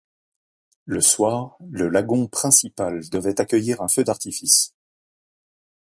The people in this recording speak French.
Le soir, le lagon principal devait accueillir un feu d'artifice.